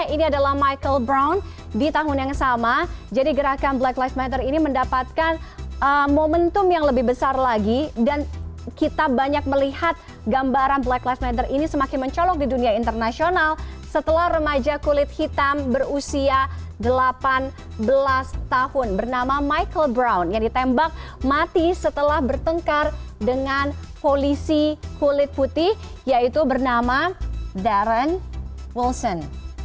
ini adalah hal yang terjadi di dunia internasional setelah remaja kulit hitam berusia delapan belas tahun bernama michael brown yang ditembak mati setelah bertengkar dengan polisi kulit putih yaitu bernama darren wilson